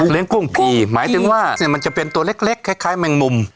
เลี้ยงกุ้งผีหมายถึงว่ามันจะเป็นตัวเล็กคล้ายแมงมุม